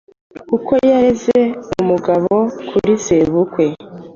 kuko yareze umugabo kuri sebukwe.